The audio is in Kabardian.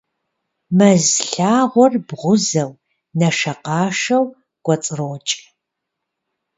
Мэз лъагъуэр бгъузэу, нэшэкъашэу кӀуэцӀрокӀ.